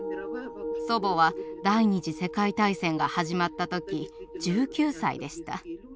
祖母は第２次世界大戦が始まった時１９歳でした。